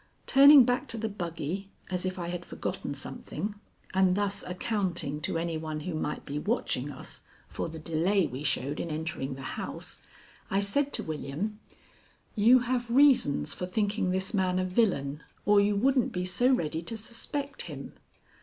Turning back to the buggy as if I had forgotten something, and thus accounting to any one who might be watching us, for the delay we showed in entering the house, I said to William: "You have reasons for thinking this man a villain, or you wouldn't be so ready to suspect him.